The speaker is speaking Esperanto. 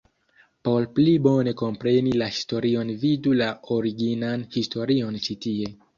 Por pli bone kompreni la historion vidu la originan historion ĉi tie!